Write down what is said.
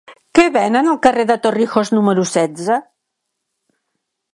Què venen al carrer de Torrijos número setze?